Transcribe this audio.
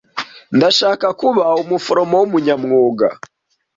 Ndashaka kuba umuforomo wumunyamwuga.